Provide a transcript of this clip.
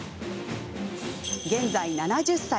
現在７０歳。